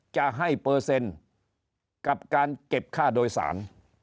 จะให้เปอร์เซ็นต์กับการเก็บค่าโดยสาร